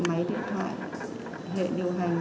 máy điện thoại hệ điều hành